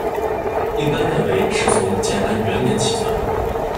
一般认为是从建安元年起算。